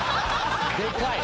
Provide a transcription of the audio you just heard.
でかい！